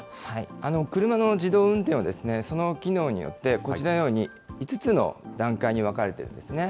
車の自動運転は、その機能によって、こちらのように５つの段階に分かれてるんですね。